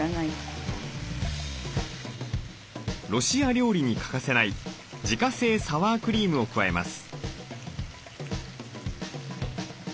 ロシア料理に欠かせない自家製サワークリームを加えます。